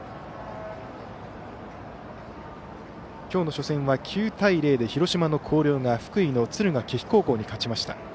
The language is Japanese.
今日の初戦は９対０で広島の広陵が福井の敦賀気比高校に勝ちました。